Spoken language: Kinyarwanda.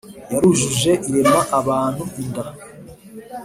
yarujuje irema abantu inda.